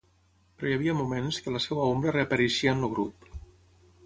Però hi havia moments que la seva ombra reapareixia en el grup.